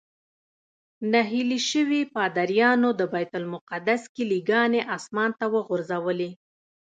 نهیلي شویو پادریانو د بیت المقدس کیلي ګانې اسمان ته وغورځولې.